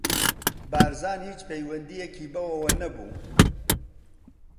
بارزان هیچ پەیوەندییەکی بەوەوە نەبوو.